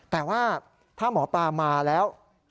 แต่ว่าถ้าหมอปลามาแล้ว